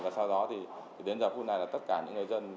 và sau đó thì đến giờ phút này là tất cả những người dân